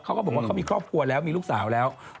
เขาก็บอกว่าเขามีครอบครัวแล้วมีลูกสาวแล้ว